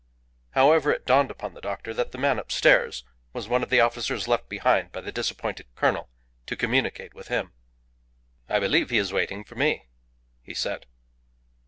However, it dawned upon the doctor that the man upstairs was one of the officers left behind by the disappointed colonel to communicate with him. "I believe he is waiting for me," he said.